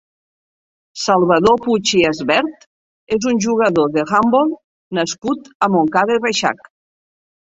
Salvador Puig i Asbert és un jugador d'handbol nascut a Montcada i Reixac.